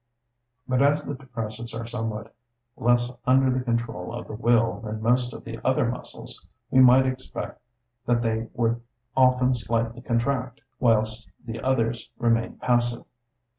But as the depressors are somewhat less under the control of the will than most of the other muscles, we might expect that they would often slightly contract, whilst the others remained passive.